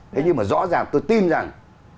thế nhưng mà rõ ràng tôi tin rằng